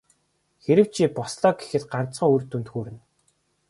Хэрэв чи бослоо гэхэд ганцхан үр дүнд хүрнэ.